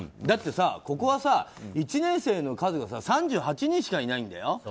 だってさ、ここは１年生の数が３８人しかいないんだよ。